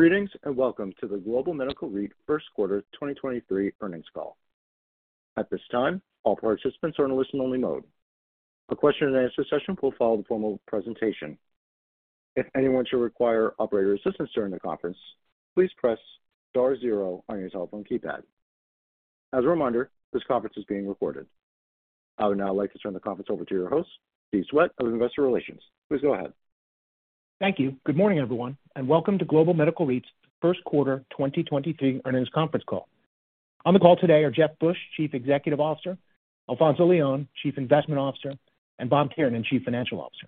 Greetings, welcome to the Chiron Real Estate first quarter 2023 earnings call. At this time, all participants are in a listen-only mode. A question and answer session will follow the formal presentation. If anyone should require operator assistance during the conference, please press star zero on your telephone keypad. As a reminder, this conference is being recorded. I would now like to turn the conference over to your host, Steve Swett, of Investor Relations. Please go ahead. Thank you. Good morning, everyone, and welcome to Global Medical REIT's first quarter 2023 earnings conference call. On the call today are Jeff Busch, Chief Executive Officer, Alfonzo Leon, Chief Investment Officer, and Bob Kiernan, Chief Financial Officer.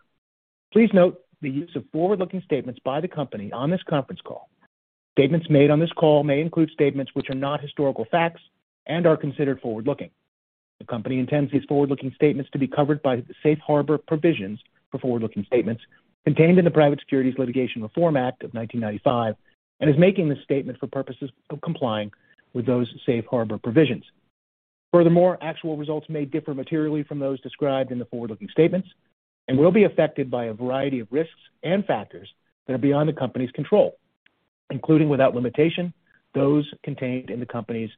Please note the use of forward-looking statements by the company on this conference call. Statements made on this call may include statements which are not historical facts and are considered forward-looking. The company intends these forward-looking statements to be covered by the safe harbor provisions for forward-looking statements contained in the Private Securities Litigation Reform Act of 1995 and is making this statement for purposes of complying with those safe harbor provisions. Furthermore, actual results may differ materially from those described in the forward-looking statements and will be affected by a variety of risks and factors that are beyond the company's control, including, without limitation, those contained in the company's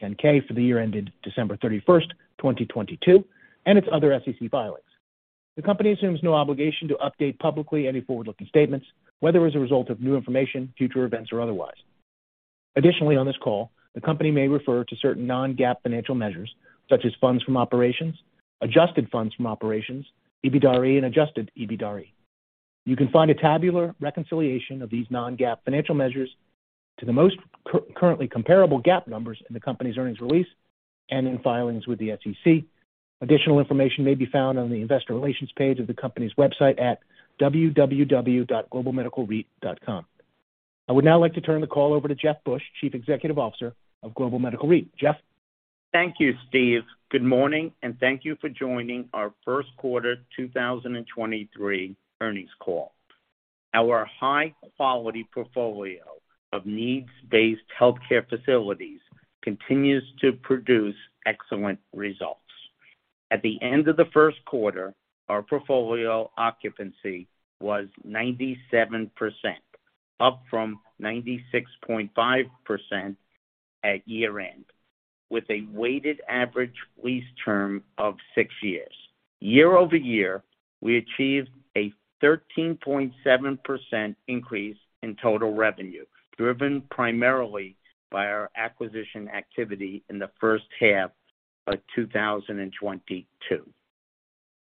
10-K for the year ended December 31st, 2022, and its other SEC filings. The company assumes no obligation to update publicly any forward-looking statements, whether as a result of new information, future events, or otherwise. Additionally, on this call, the company may refer to certain non-GAAP financial measures such as funds from operations, adjusted funds from operations, EBITDAre, and adjusted EBITDAre. You can find a tabular reconciliation of these non-GAAP financial measures to the most currently comparable GAAP numbers in the company's earnings release and in filings with the SEC. Additional information may be found on the investor relations page of the company's website at www.globalmedicalreit.com. I would now like to turn the call over to Jeff Busch, Chief Executive Officer of Global Medical REIT. Jeff? Thank you, Steve. Good morning, and thank you for joining our first quarter 2023 earnings call. Our high-quality portfolio of needs-based healthcare facilities continues to produce excellent results. At the end of the first quarter, our portfolio occupancy was 97%, up from 96.5% at year-end, with a weighted average lease term of six years. Year-over-year, we achieved a 13.7% increase in total revenue, driven primarily by our acquisition activity in the first half of 2022.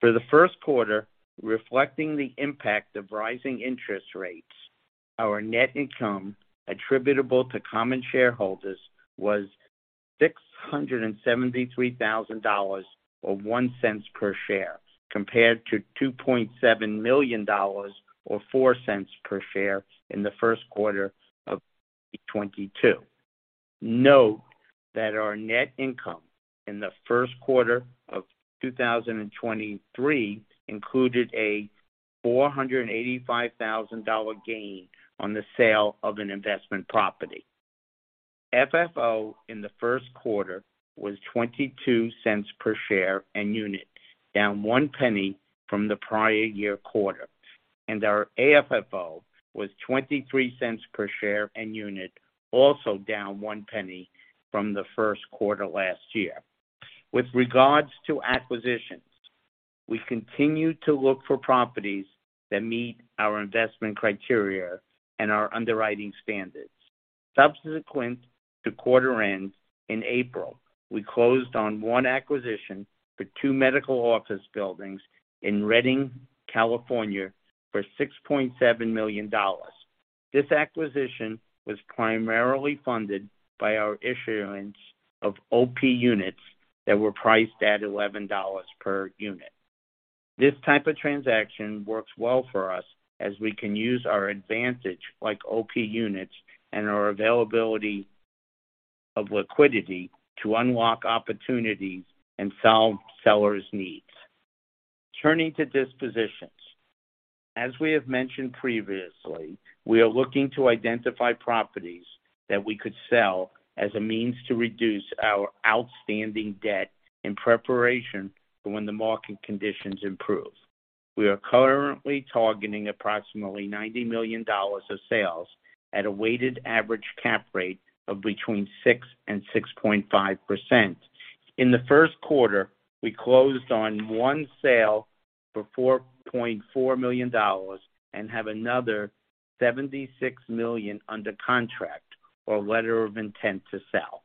For the first quarter, reflecting the impact of rising interest rates, our net income attributable to common shareholders was $673,000, or $0.01 per share, compared to $2.7 million, or $0.04 per share in the first quarter of 2022. Note that our net income in the first quarter of 2023 included a $485,000 gain on the sale of an investment property. FFO in the first quarter was $0.22 per share and unit, down $0.01 from the prior year quarter. Our AFFO was $0.23 per share and unit, also down $0.01 from the first quarter last year. With regards to acquisitions, we continue to look for properties that meet our investment criteria and our underwriting standards. Subsequent to quarter end, in April, we closed on one acquisition for two medical office buildings in Redding, California, for $6.7 million. This acquisition was primarily funded by our issuance of OP units that were priced at $11 per unit. This type of transaction works well for us as we can use our advantage like OP units and our availability of liquidity to unlock opportunities and solve sellers' needs. Turning to dispositions. As we have mentioned previously, we are looking to identify properties that we could sell as a means to reduce our outstanding debt in preparation for when the market conditions improve. We are currently targeting approximately $90 million of sales at a weighted average cap rate of between 6% and 6.5%. In the first quarter, we closed on one sale for $4.4 million and have another $76 million under contract or letter of intent to sell.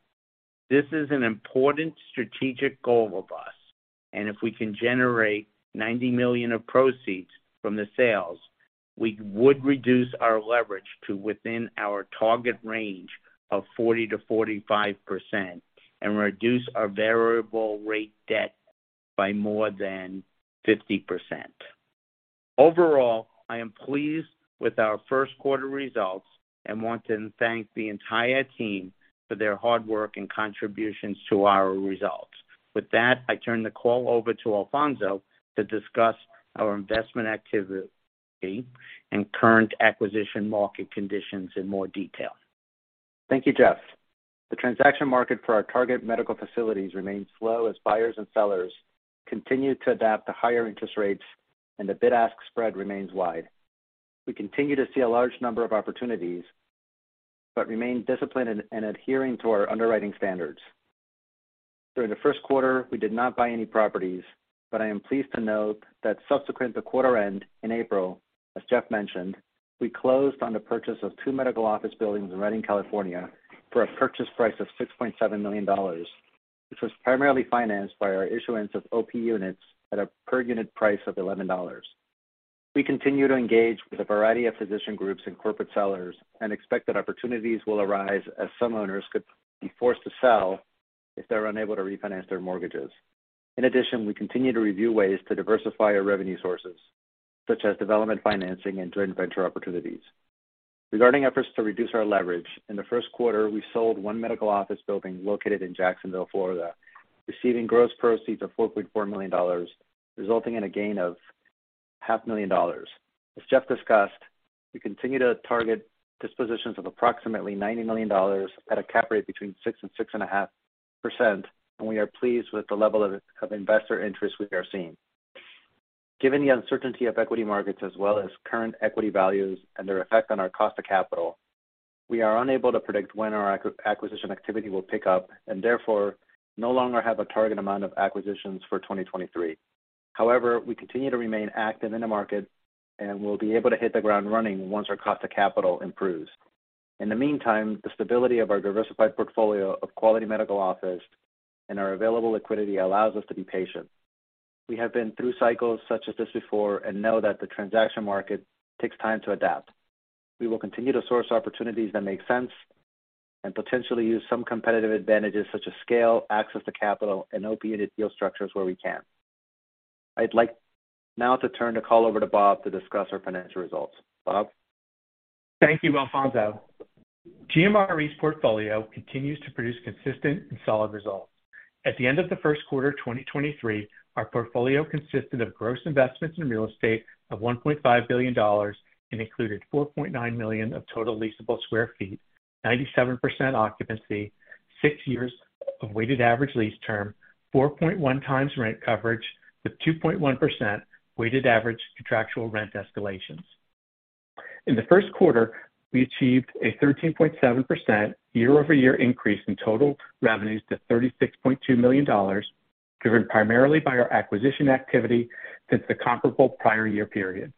This is an important strategic goal of us. If we can generate $90 million of proceeds from the sales, we would reduce our leverage to within our target range of 40%-45% and reduce our variable rate debt by more than 50%. Overall, I am pleased with our first quarter results and want to thank the entire team for their hard work and contributions to our results. With that, I turn the call over to Alfonzo to discuss our investment activity and current acquisition market conditions in more detail. Thank you, Jeff. The transaction market for our target medical facilities remains slow as buyers and sellers continue to adapt to higher interest rates and the bid-ask spread remains wide. We continue to see a large number of opportunities, remain disciplined and adhering to our underwriting standards. During the first quarter, we did not buy any properties. I am pleased to note that subsequent to quarter end in April, as Jeff mentioned, we closed on the purchase of two medical office buildings in Redding, California for a purchase price of $6.7 million. This was primarily financed by our issuance of OP units at a per unit price of $11. We continue to engage with a variety of physician groups and corporate sellers and expect that opportunities will arise as some owners could be forced to sell if they're unable to refinance their mortgages. In addition, we continue to review ways to diversify our revenue sources, such as development, financing and joint venture opportunities. Regarding efforts to reduce our leverage, in the first quarter, we sold one medical office building located in Jacksonville, Florida, receiving gross proceeds of $4.4 million, resulting in a gain of half a million dollars. As Jeff discussed, we continue to target dispositions of approximately $90 million at a cap rate between 6% and 6.5%, and we are pleased with the level of investor interest we are seeing. Given the uncertainty of equity markets as well as current equity values and their effect on our cost of capital, we are unable to predict when our acquisition activity will pick up and therefore no longer have a target amount of acquisitions for 2023. However, we continue to remain active in the market and will be able to hit the ground running once our cost of capital improves. In the meantime, the stability of our diversified portfolio of quality medical office and our available liquidity allows us to be patient. We have been through cycles such as this before and know that the transaction market takes time to adapt. We will continue to source opportunities that make sense and potentially use some competitive advantages such as scale, access to capital and OP unit deal structures where we can. I'd like now to turn the call over to Bob to discuss our financial results. Bob. Thank you, Alfonzo. GMRE's portfolio continues to produce consistent and solid results. At the end of the first quarter 2023, our portfolio consisted of gross investments in real estate of $1.5 billion and included 4.9 million sq ft of total leasable square feet, 97% occupancy, six years of weighted average lease term, 4.1x rent coverage with 2.1% weighted average contractual rent escalations. In the first quarter, we achieved a 13.7% year-over-year increase in total revenues to $36.2 million, driven primarily by our acquisition activity since the comparable prior year period.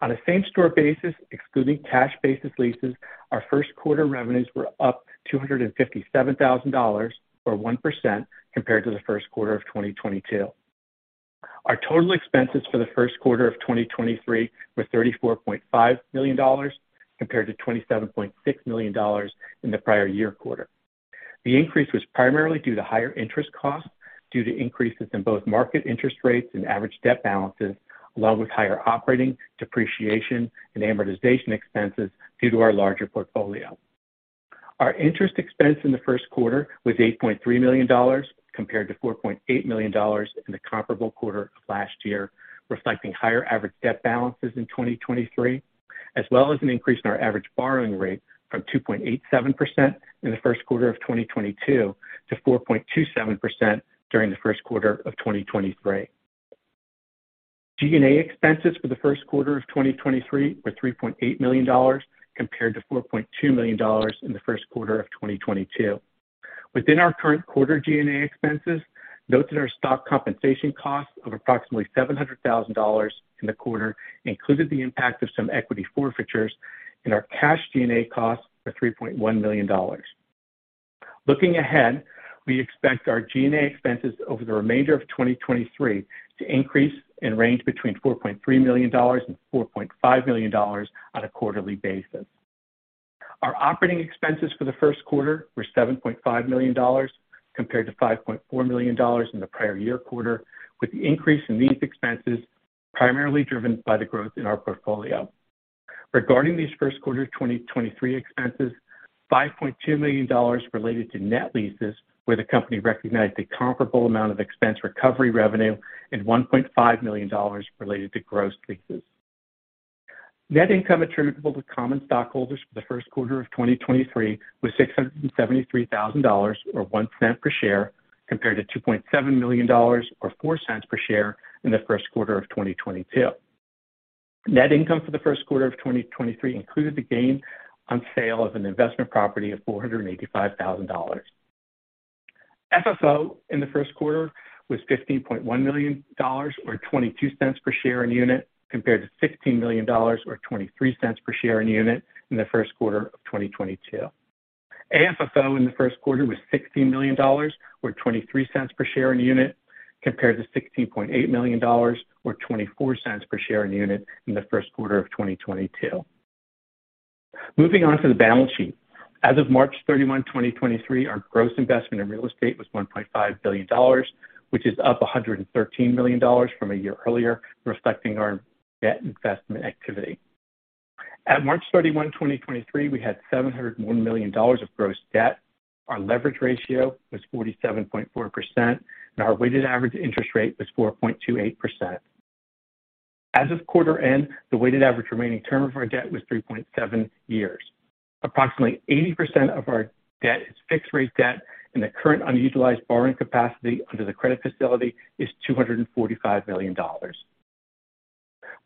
On a same-store basis, excluding cash basis leases, our first quarter revenues were up $257,000, or 1% compared to the first quarter of 2022. Our total expenses for the first quarter of 2023 were $34.5 million compared to $27.6 million in the prior year quarter. The increase was primarily due to higher interest costs due to increases in both market interest rates and average debt balances, along with higher operating depreciation and amortization expenses due to our larger portfolio. Our interest expense in the first quarter was $8.3 million compared to $4.8 million in the comparable quarter of last year, reflecting higher average debt balances in 2023, as well as an increase in our average borrowing rate from 2.87% in the first quarter of 2022 to 4.27% during the first quarter of 2023. G&A expenses for the first quarter of 2023 were $3.8 million compared to $4.2 million in the first quarter of 2022. Within our current quarter G&A expenses, note that our stock compensation costs of approximately $700,000 in the quarter included the impact of some equity forfeitures and our cash G&A costs are $3.1 million. Looking ahead, we expect our G&A expenses over the remainder of 2023 to increase and range between $4.3 million and $4.5 million on a quarterly basis. Our operating expenses for the first quarter were $7.5 million compared to $5.4 million in the prior year quarter, with the increase in these expenses primarily driven by the growth in our portfolio. Regarding these first quarter 2023 expenses, $5.2 million related to net leases, where the company recognized a comparable amount of expense recovery revenue and $1.5 million related to gross leases. Net income attributable to common stockholders for the first quarter of 2023 was $673,000 or $0.01 per share, compared to $2.7 million or $0.04 per share in the first quarter of 2022. Net income for the first quarter of 2023 included a gain on sale of an investment property of $485,000. FFO in the first quarter was $15.1 million or $0.22 per share in unit compared to $16 million or $0.23 per share in unit in the first quarter of 2022. AFFO in the first quarter was $16 million or $0.23 per share in unit compared to $16.8 million or $0.24 per share in unit in the first quarter of 2022. Moving on to the balance sheet. As of March 31, 2023, our gross investment in real estate was $1.5 billion, which is up $113 million from a year earlier, reflecting our debt investment activity. At March 31, 2023, we had $701 million of gross debt. Our leverage ratio was 47.4%, and our weighted average interest rate was 4.28%. As of quarter end, the weighted average remaining term of our debt was 3.7 years. Approximately 80% of our debt is fixed rate debt, and the current unutilized borrowing capacity under the credit facility is $245 million.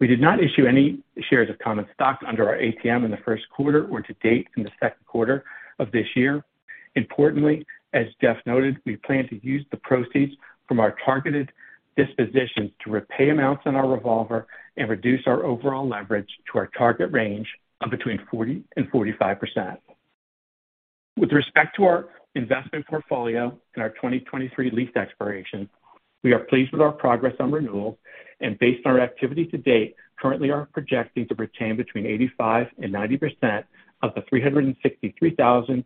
We did not issue any shares of common stock under our ATM in the first quarter or to date in the second quarter of this year. Importantly, as Jeff noted, we plan to use the proceeds from our targeted dispositions to repay amounts on our revolver and reduce our overall leverage to our target range of between 40% and 45%. With respect to our investment portfolio and our 2023 lease expirations, we are pleased with our progress on renewals. Based on our activity to date, currently are projecting to retain between 85% and 90% of the 363,000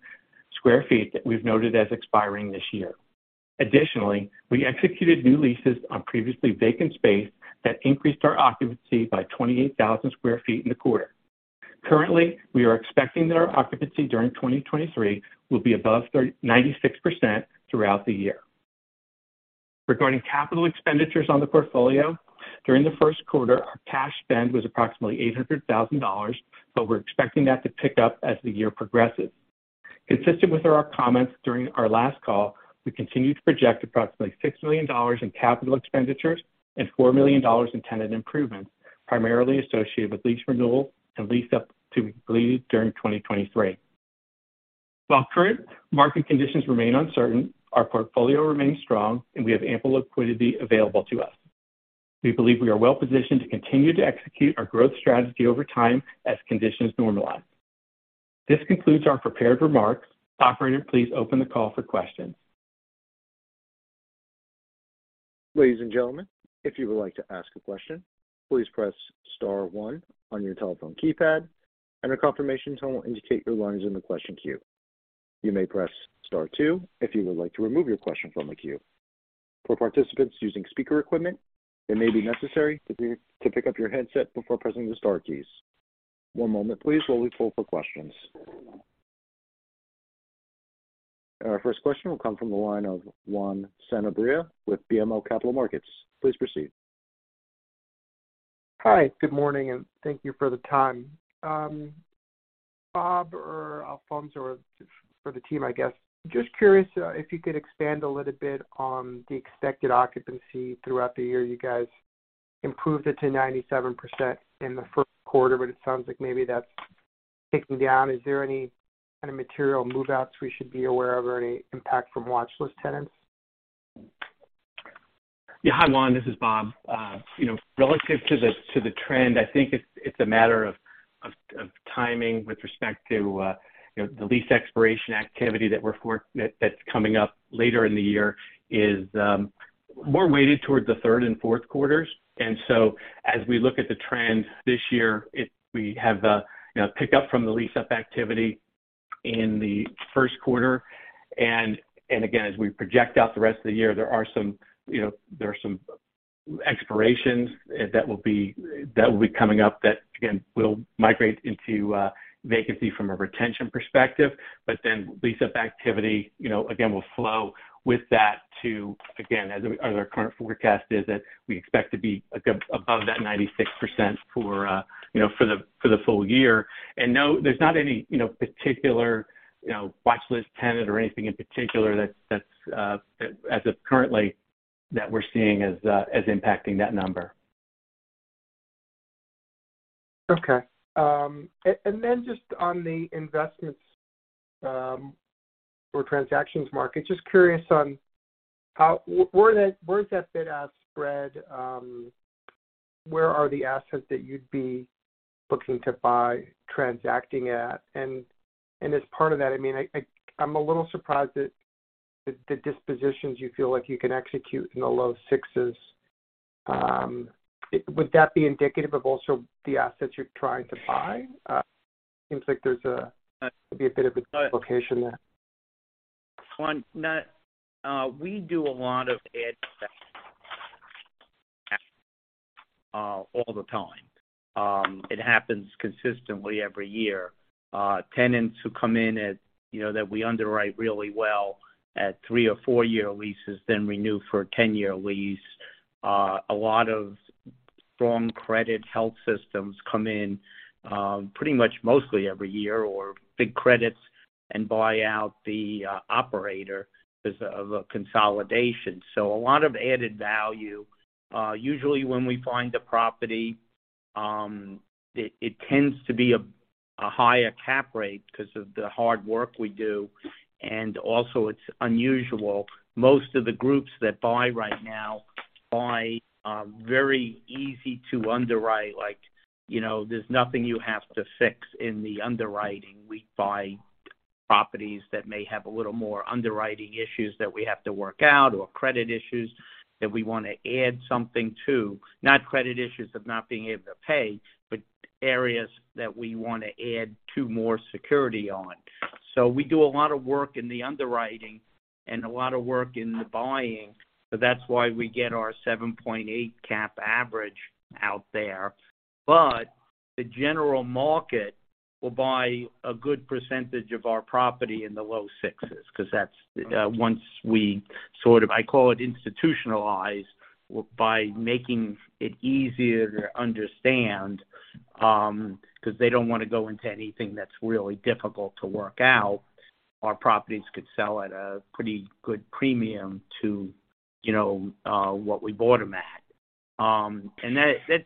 sq ft that we've noted as expiring this year. Additionally, we executed new leases on previously vacant space that increased our occupancy by 28,000 sq ft in the quarter. Currently, we are expecting that our occupancy during 2023 will be above 96% throughout the year. Regarding capital expenditures on the portfolio, during the first quarter, our cash spend was approximately $800,000, but we're expecting that to pick up as the year progresses. Consistent with our comments during our last call, we continue to project approximately $6 million in capital expenditures and $4 million in tenant improvements, primarily associated with lease renewals and lease up to be completed during 2023. While current market conditions remain uncertain, our portfolio remains strong and we have ample liquidity available to us. We believe we are well positioned to continue to execute our growth strategy over time as conditions normalize. This concludes our prepared remarks. Operator, please open the call for questions. Ladies and gentlemen, if you would like to ask a question, please press star one on your telephone keypad and a confirmation tone will indicate your line is in the question queue. You may press star two if you would like to remove your question from the queue. For participants using speaker equipment, it may be necessary to pick up your headset before pressing the star keys. One moment please while we pull for questions. Our first question will come from the line of Juan Sanabria with BMO Capital Markets. Please proceed. Hi. Good morning, and thank you for the time. Bob or Alfonzo or for the team, I guess, just curious if you could expand a little bit on the expected occupancy throughout the year. You guys improved it to 97% in the first quarter, but it sounds like maybe that's ticking down. Is there any kind of material move-outs we should be aware of or any impact from watchlist tenants? Yeah. Hi, Juan, this is Bob. You know, relative to the trend, I think it's a matter of timing with respect to, you know, the lease expiration activity that's coming up later in the year is more weighted towards the third and fourth quarters. As we look at the trends this year, we have, you know, pick up from the lease-up activity in the first quarter. Again, as we project out the rest of the year, there are some, you know, there are some expirations that will be coming up that, again, will migrate into vacancy from a retention perspective. Lease-up activity, you know, again, will flow with that to, again, as our current forecast is that we expect to be above that 96% for, you know, for the, for the full year. No, there's not any, you know, particular, you know, watchlist tenant or anything in particular that's, as of currently, that we're seeing as impacting that number. Okay. Then just on the investments, or transactions market, just curious on where's that bid ask spread, where are the assets that you'd be looking to buy transacting at? As part of that, I mean, I'm a little surprised that the dispositions you feel like you can execute in the low sixes. Would that be indicative of also the assets you're trying to buy? Seems like there's a, maybe a bit of a complication there. Juan, no. We do a lot of add all the time. It happens consistently every year. Tenants who come in at, you know, that we underwrite really well at three or four-year leases then renew for a 10-year lease. A lot of strong credit health systems come in, pretty much mostly every year or big credits and buy out the operator because of a consolidation. A lot of added value. Usually when we find a property, it tends to be a higher cap rate because of the hard work we do. Also it's unusual. Most of the groups that buy right now buy very easy to underwrite. Like, you know, there's nothing you have to fix in the underwriting. We buy properties that may have a little more underwriting issues that we have to work out or credit issues that we wanna add something to. Not credit issues of not being able to pay, but areas that we wanna add to more security on. We do a lot of work in the underwriting and a lot of work in the buying. That's why we get our 7.8 cap average out there. The general market will buy a good percentage of our property in the low 6s because that's once we sort of I call it institutionalized by making it easier to understand. They don't want to go into anything that's really difficult to work out. Our properties could sell at a pretty good premium to, you know, what we bought them at. That's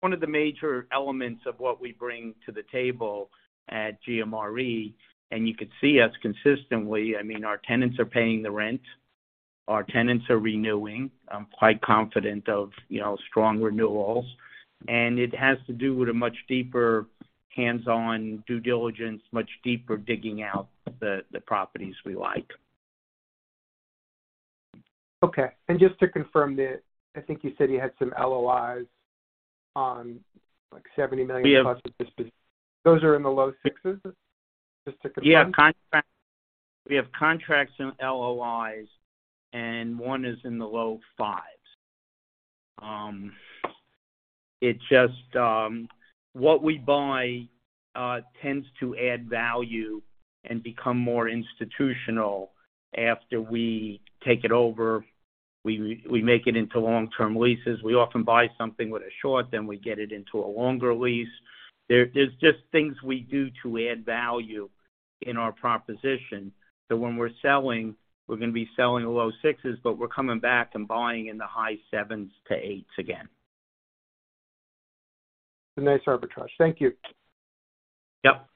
one of the major elements of what we bring to the table at GMRE. You could see us consistently. I mean, our tenants are paying the rent, our tenants are renewing. I'm quite confident of, you know, strong renewals. It has to do with a much deeper hands-on due diligence, much deeper digging out the properties we like. Okay. Just to confirm that, I think you said you had some LOIs on, like $70 million-plus. Yeah. Those are in the low sixes? Just to confirm. Yeah. Contract. We have contracts in LOIs, one is in the low fives. What we buy tends to add value and become more institutional after we take it over. We make it into long-term leases. We often buy something with a short, then we get it into a longer lease. There's just things we do to add value in our proposition. When we're selling, we're gonna be selling the low sixes, but we're coming back and buying in the high sevens to eights again. A nice arbitrage. Thank you. Yep.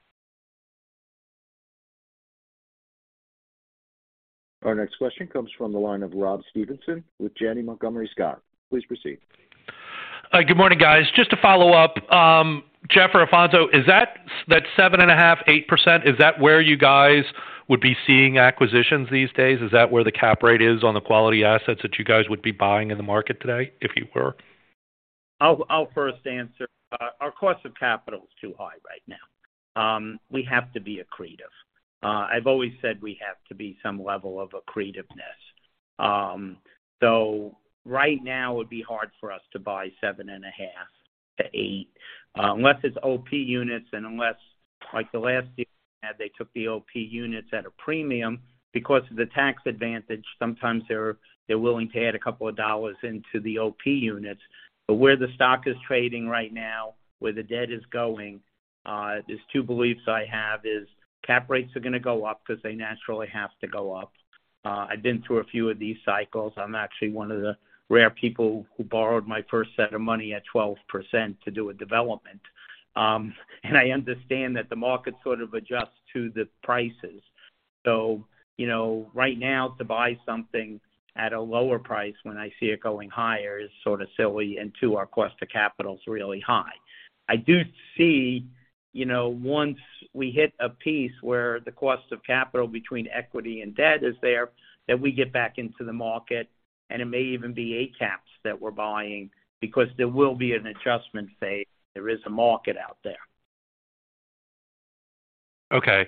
Our next question comes from the line of Robert Stevenson with Janney Montgomery Scott. Please proceed. Good morning, guys. Just to follow up, Jeff or Alfonzo, is that 7.5%-8%, is that where you guys would be seeing acquisitions these days? Is that where the cap rate is on the quality assets that you guys would be buying in the market today if you were? I'll first answer. Our cost of capital is too high right now. We have to be accretive. I've always said we have to be some level of accretiveness. Right now it would be hard for us to buy 7.5%-8%, unless it's OP units and unless, like the last deal we had, they took the OP units at a premium. Because of the tax advantage, sometimes they're willing to add a couple of dollars into the OP units. Where the stock is trading right now, where the debt is going, there's two beliefs I have is cap rates are gonna go up because they naturally have to go up. I've been through a few of these cycles. I'm actually one of the rare people who borrowed my first set of money at 12% to do a development. I understand that the market sort of adjusts to the prices. You know, right now to buy something at a lower price when I see it going higher is sort of silly. Two, our cost of capital is really high. I do see, you know, once we hit a piece where the cost of capital between equity and debt is there, that we get back into the market, and it may even be [ACAPS] that we're buying because there will be an adjustment phase. There is a market out there. Okay.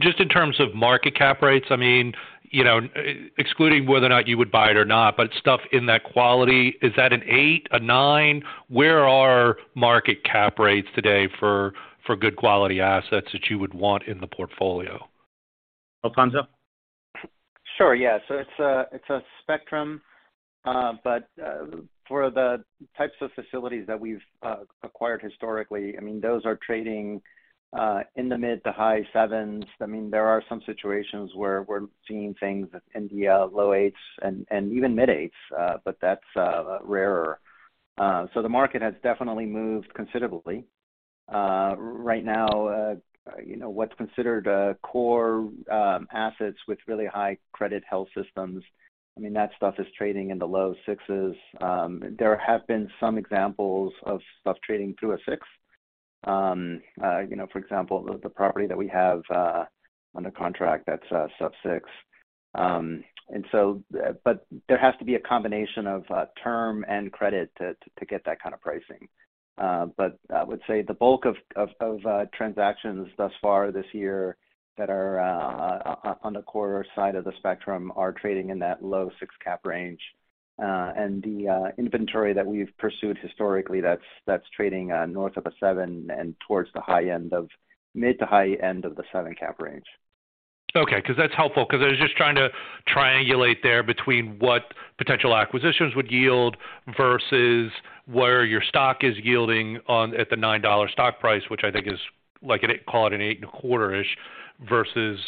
Just in terms of market cap rates, I mean, you know, excluding whether or not you would buy it or not, but stuff in that quality, is that an eight, a nine? Where are market cap rates today for good quality assets that you would want in the portfolio? Alfonzo? Sure. Yeah. It's a spectrum. For the types of facilities that we've acquired historically, I mean those are trading in the mid to high sevens. I mean, there are some situations where we're seeing things in the low eights and even mid eights, but that's rarer. The market has definitely moved considerably. Right now, you know, what's considered core assets with really high credit health systems, I mean, that stuff is trading in the low sixes. There have been some examples of stuff trading through a six. You know, for example, the property that we have under contract, that's sub six. There has to be a combination of term and credit to get that kind of pricing. I would say the bulk of transactions thus far this year that are on the core side of the spectrum are trading in that low six cap range. The inventory that we've pursued historically, that's trading north of a seven and towards the mid to high end of the seven cap range. Okay, 'cause that's helpful because I was just trying to triangulate there between what potential acquisitions would yield versus where your stock is yielding on at the $9 stock price, which I think is like, call it an 8.25%-ish, versus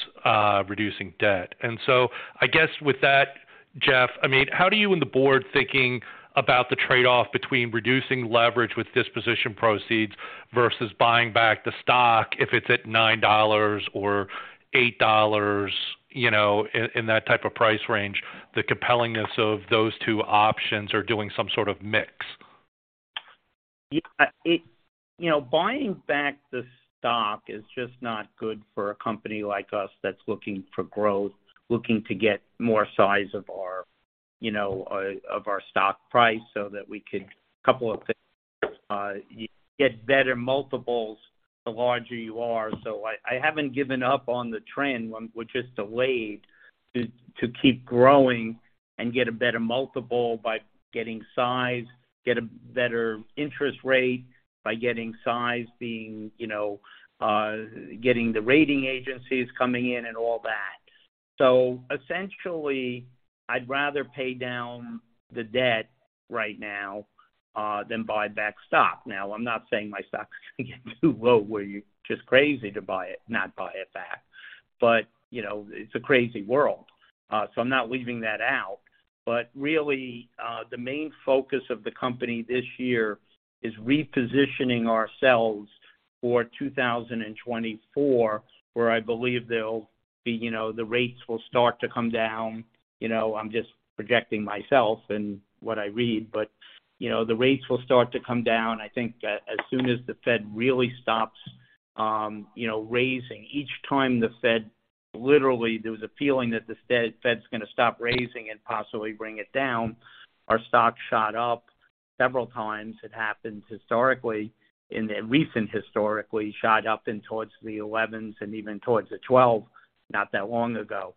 reducing debt. I guess with that, Jeff, I mean, how do you and the board thinking about the trade-off between reducing leverage with disposition proceeds versus buying back the stock if it's at $9 or $8, you know, in that type of price range, the compellingness of those two options or doing some sort of mix? Yeah. You know, buying back the stock is just not good for a company like us that's looking for growth, looking to get more size of our, you know, of our stock price so that couple of things, you get better multiples. The larger you are. I haven't given up on the trend, when we're just delayed to keep growing and get a better multiple by getting size, get a better interest rate by getting size, you know, getting the rating agencies coming in and all that. Essentially, I'd rather pay down the debt right now, than buy back stock. Now, I'm not saying my stock is getting too low, where you're just crazy to buy it, not buy it back. You know, it's a crazy world. I'm not leaving that out. Really, the main focus of the company this year is repositioning ourselves for 2024, where I believe there'll be, you know, the rates will start to come down. You know, I'm just projecting myself and what I read, but, you know, the rates will start to come down. I think that as soon as the Fed really stops, you know, raising. Each time the Fed, literally, there was a feeling that the Fed's gonna stop raising and possibly bring it down, our stock shot up several times. It happens historically. In the recent historically, shot up in towards the 11s and even towards the 12 not that long ago.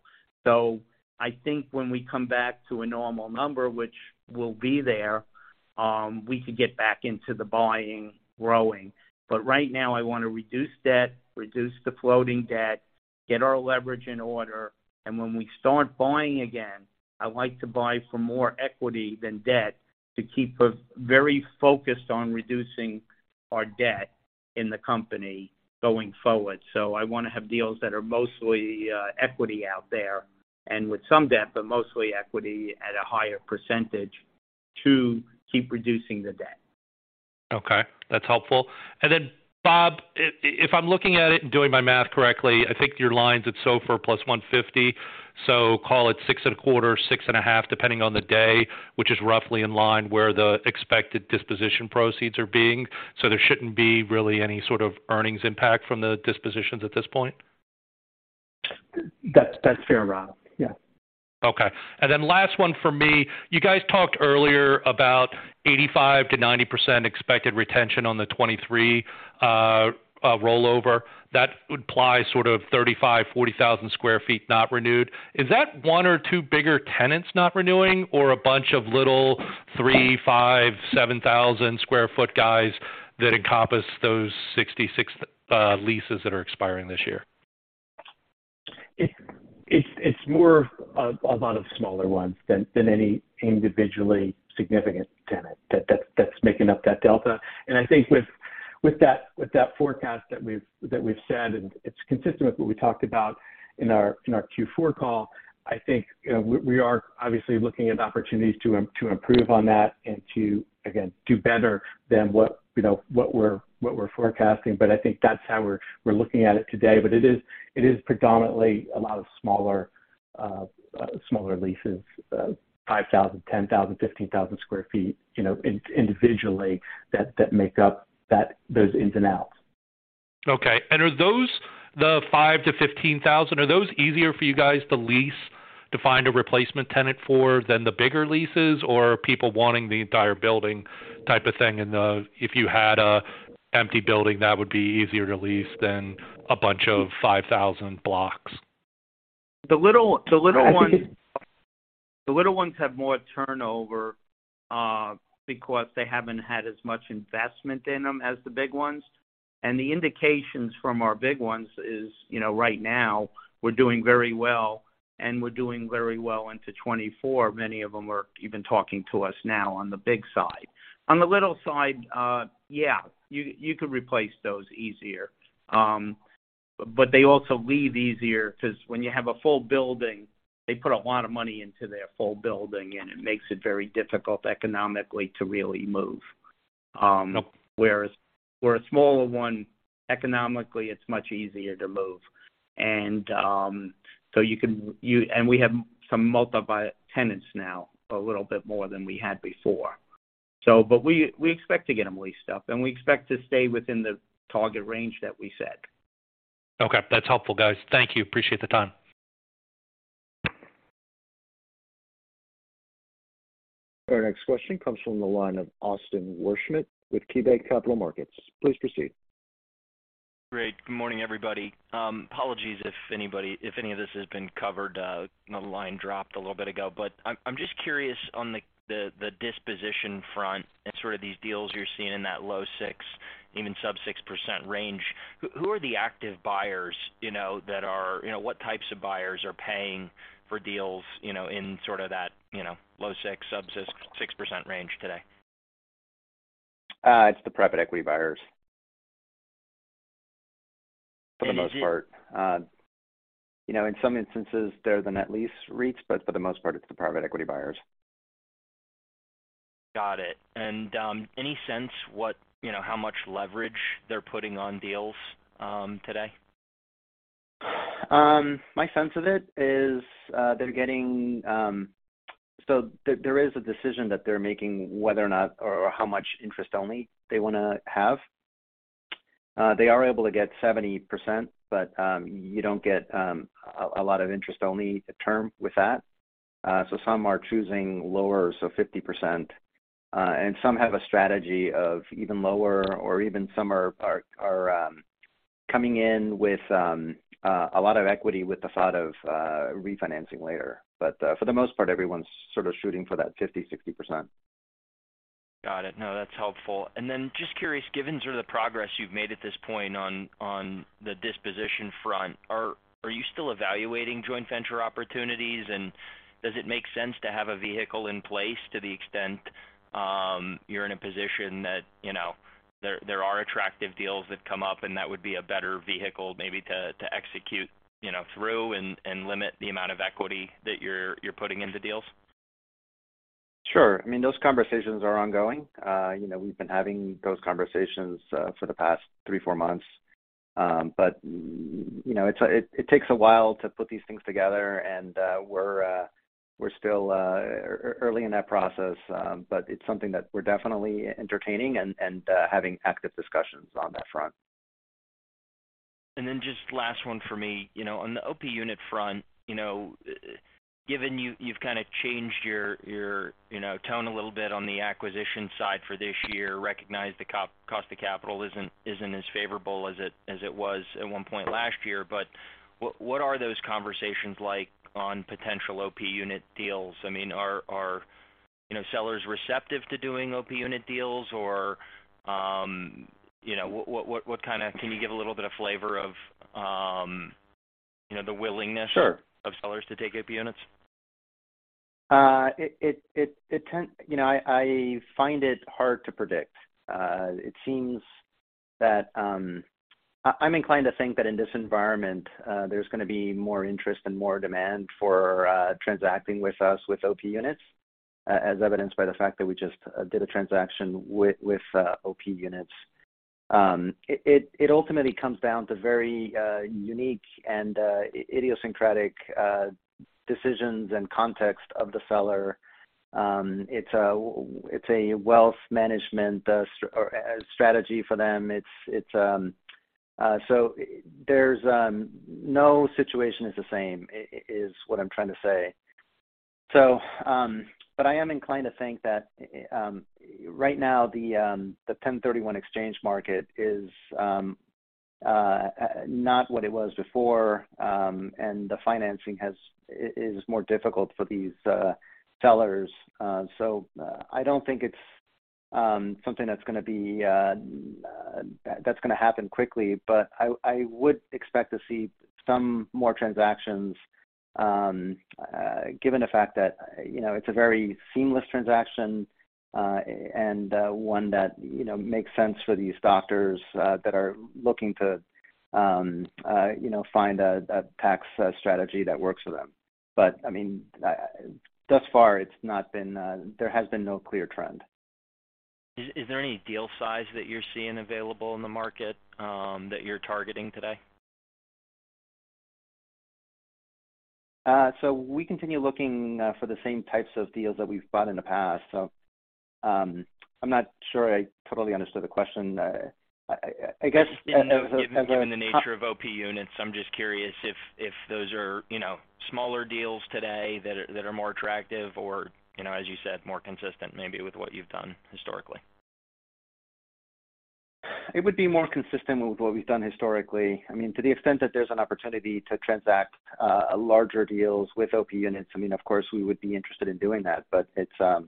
I think when we come back to a normal number, which will be there, we could get back into the buying, growing. Right now, I wanna reduce debt, reduce the floating debt, get our leverage in order. When we start buying again, I like to buy for more equity than debt to keep us very focused on reducing our debt in the company going forward. I wanna have deals that are mostly equity out there and with some debt, but mostly equity at a higher percentage to keep reducing the debt. Okay, that's helpful. Then Bob, if I'm looking at it and doing my math correctly, I think your lines at SOFR plus 150. Call it six and a quarter, six and a half, depending on the day, which is roughly in line where the expected disposition proceeds are being. There shouldn't be really any sort of earnings impact from the dispositions at this point. That's fair, Rob. Yeah. Okay. Last one for me. You guys talked earlier about 85%-90% expected retention on the 2023 rollover. That implies sort of 35,000-40,000 sq ft not renewed. Is that one or two bigger tenants not renewing or a bunch of little 3,000 sq ft, 5,000 sq ft, 7,000 sq ft guys that encompass those 66 leases that are expiring this year? It's more of a lot of smaller ones than any individually significant tenant that's making up that delta. I think with that forecast that we've said, and it's consistent with what we talked about in our Q4 call, I think, you know, we are obviously looking at opportunities to improve on that and to, again, do better than what, you know, what we're forecasting. I think that's how we're looking at it today. It is predominantly a lot of smaller leases, 5,000 sq ft, 10,000 sq ft, 15,000 sq ft, you know, individually that make up those ins and outs. Okay. Are those the 5,000 sq ft-15,000 sq ft? Are those easier for you guys to lease to find a replacement tenant for than the bigger leases, or are people wanting the entire building type of thing? If you had an empty building, that would be easier to lease than a bunch of 5,000 blocks. The little ones. Yeah. The little ones have more turnover because they haven't had as much investment in them as the big ones. The indications from our big ones is, you know, right now we're doing very well, and we're doing very well into 2024. Many of them are even talking to us now on the big side. On the little side, yeah, you could replace those easier. They also leave easier 'cause when you have a full building, they put a lot of money into their full building, and it makes it very difficult economically to really move. Okay. Whereas for a smaller one, economically, it's much easier to move. So you can. We have some multi-buy tenants now, a little bit more than we had before. We expect to get them leased up, and we expect to stay within the target range that we set. Okay. That's helpful, guys. Thank you. Appreciate the time. Our next question comes from the line of Austin Wurschmidt with KeyBanc Capital Markets. Please proceed. Great. Good morning, everybody. Apologies if any of this has been covered. The line dropped a little bit ago. I'm just curious on the disposition front and sort of these deals you're seeing in that low 6%, even sub 6% range. Who are the active buyers, you know, that are. You know, what types of buyers are paying for deals, you know, in sort of that, you know, low 6%, sub 6% range today? It's the private equity buyers. For the most part. You know, in some instances, they're the net lease REITs, but for the most part, it's the private equity buyers. Got it. Any sense You know, how much leverage they're putting on deals today? My sense of it is, they're getting. There is a decision that they're making whether or not or how much interest only they wanna have. They are able to get 70%, but you don't get a lot of interest only term with that. Some are choosing lower, 50%. Some have a strategy of even lower or even some are coming in with a lot of equity with the thought of refinancing later. For the most part, everyone's sort of shooting for that 50%-60%. Got it. No, that's helpful. Just curious, given sort of the progress you've made at this point on the disposition front, are you still evaluating joint venture opportunities? Does it make sense to have a vehicle in place to the extent you're in a position that, you know, there are attractive deals that come up and that would be a better vehicle maybe to execute, you know, through and limit the amount of equity that you're putting into deals? Sure. I mean, those conversations are ongoing. You know, we've been having those conversations, for the past three, four months. You know, it takes a while to put these things together and, we're still, early in that process. It's something that we're definitely entertaining and, having active discussions on that front. Just last one for me. You know, on the OP unit front, you know, given you've kinda changed your, you know, tone a little bit on the acquisition side for this year, recognize the cost of capital isn't as favorable as it was at one point last year. What are those conversations like on potential OP unit deals? I mean, are, you know, sellers receptive to doing OP unit deals? Can you give a little bit of flavor of, you know, the willingness? Sure. -of sellers to take OP units? It, you know, I find it hard to predict. It seems that I'm inclined to think that in this environment, there's gonna be more interest and more demand for transacting with us with OP units as evidenced by the fact that we just did a transaction with OP units. It ultimately comes down to very unique and idiosyncratic decisions and context of the seller. It's a wealth management strategy for them. There's no situation is the same is what I'm trying to say. I am inclined to think that, right now the 1031 exchange market is not what it was before, and the financing is more difficult for these sellers. I don't think it's something that's gonna be that's gonna happen quickly, but I would expect to see some more transactions, given the fact that, you know, it's a very seamless transaction, and, one that, you know, makes sense for these doctors, that are looking to, you know, find a tax strategy that works for them. I mean, thus far, it's not been, there has been no clear trend. Is there any deal size that you're seeing available in the market, that you're targeting today? We continue looking, for the same types of deals that we've bought in the past. I'm not sure I totally understood the question. I guess. Given the nature of OP units, I'm just curious if those are, you know, smaller deals today that are more attractive or, you know, as you said, more consistent maybe with what you've done historically? It would be more consistent with what we've done historically. I mean, to the extent that there's an opportunity to transact, larger deals with OP units, I mean, of course we would be interested in doing that, but it's,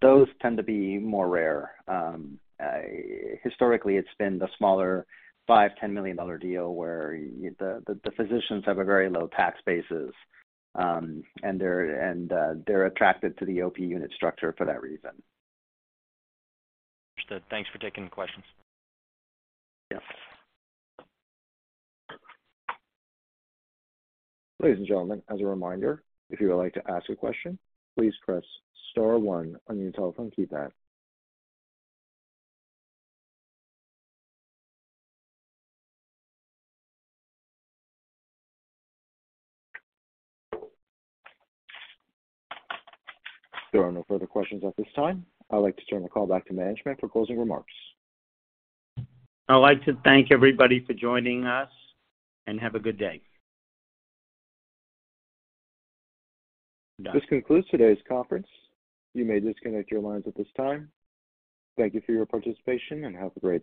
those tend to be more rare. Historically, it's been the smaller $5 million, $10 million deal where the physicians have a very low tax basis, and they're attracted to the OP unit structure for that reason. Understood. Thanks for taking the questions. Yes. Ladies and gentlemen, as a reminder, if you would like to ask a question, please press star one on your telephone keypad. There are no further questions at this time. I'd like to turn the call back to management for closing remarks. I'd like to thank everybody for joining us, and have a good day. This concludes today's conference. You may disconnect your lines at this time. Thank you for your participation, and have a great day.